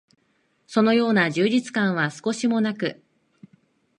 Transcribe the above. そのような充実感は少しも無く、